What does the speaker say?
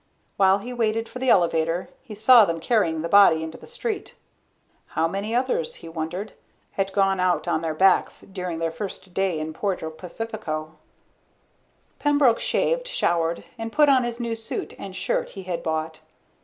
While he waited for the elevator, he saw them carrying the body into the street. How many others, he wondered, had gone out on their backs during their first day in Puerto Pacifico? Pembroke shaved, showered, and put on the new suit and shirt he had bought.